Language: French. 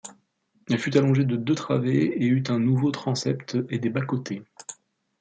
Elle fut allongée de deux travées et eut un nouveau transept et des bas-côtés.